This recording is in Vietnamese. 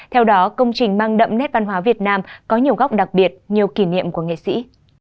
theo đó công trình mang đậm nét văn hóa việt nam có nhiều góc đặc biệt nhiều kỷ niệm của nghệ sĩ